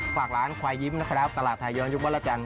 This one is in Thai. ฝากร้านขวายยิปนะครับตลาดไทยเยอะมากจัง